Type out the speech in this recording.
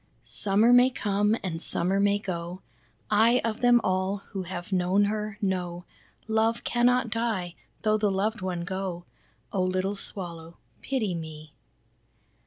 Summer may come and summer may go, I of them all who have known her, know Love cannot die, though the loved one go. Oh little Swallow pity me!"